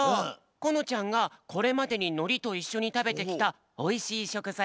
このちゃんがこれまでにのりといっしょにたべてきたおいしい